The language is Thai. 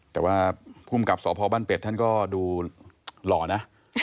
แต่ว่าภูมิกับสพบ้านเป็ดท่านก็ดูหล่อนะ